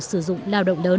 sử dụng lao động lớn